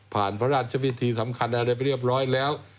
พระราชวิธีสำคัญอะไรไปเรียบร้อยแล้ว